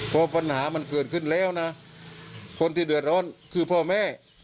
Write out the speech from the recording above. เพราะปัญหามันเกิดขึ้นแล้วนะคนที่เดือดร้อนคือพ่อแม่